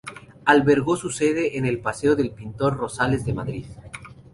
Albergó su sede en el paseo del Pintor Rosales de Madrid.